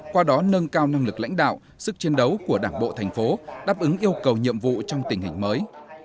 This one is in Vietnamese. qua đó nâng cao năng lực lãnh đạo sức chiến đấu của đảng bộ thành phố đáp ứng yêu cầu nhiệm vụ trong tình hình mới